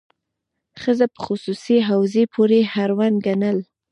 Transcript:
ښځه په خصوصي حوزې پورې اړونده ګڼل.